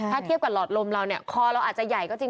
ถ้าเทียบกับหลอดลมเราเนี่ยคอเราอาจจะใหญ่ก็จริง